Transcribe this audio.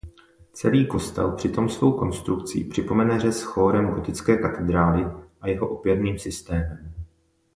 Celý kostel přitom svou konstrukcí připomene řez chórem gotické katedrály a jeho opěrným systémem.